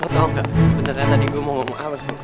mau tau gak sebenarnya tadi gue mau ngomong apa sih